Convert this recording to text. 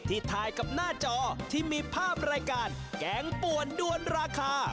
ถ่ายกับหน้าจอที่มีภาพรายการแกงป่วนด้วนราคา